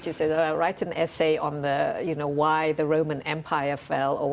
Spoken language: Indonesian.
tulis esai tentang mengapa impian roma terjatuh